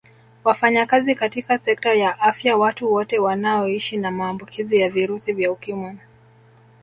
Wafanyakazi katika sekta ya afya Watu wote wanaoishi na maambukizi ya virusi vya Ukimwi